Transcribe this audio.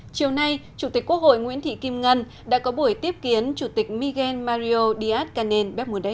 chiều nay chủ tịch quốc hội nguyễn thị kim ngân đã có buổi tiếp kiến chủ tịch miguel mario díaz canel becmude